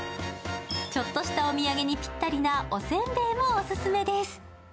ちょっとしたお土産にぴったりなお煎餅もオススメです。